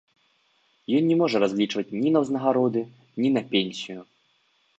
Ён не можа разлічваць ні на ўзнагароды, ні на пенсію.